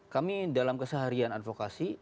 kami dalam keseharian advokasi